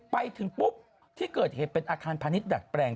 ไปถึงปุ๊บที่เกิดเหตุเป็นอาคารพาณิชยดัดแปลง